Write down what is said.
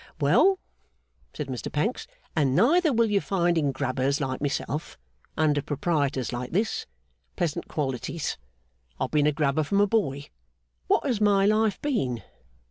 'Well,' said Mr Pancks, 'and neither will you find in Grubbers like myself, under Proprietors like this, pleasant qualities. I've been a Grubber from a boy. What has my life been?